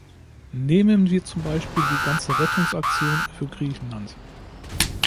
Nehmen wir zum Beispiel die ganze Rettungsaktion für Griechenland.